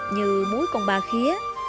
như muối con ba khía